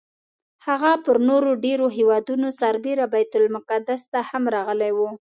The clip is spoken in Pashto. هغه پر نورو ډېرو هېوادونو سربېره بیت المقدس ته هم راغلی و.